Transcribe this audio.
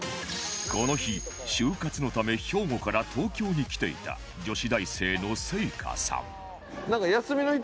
この日就活のため兵庫から東京に来ていた女子大生の聖夏さん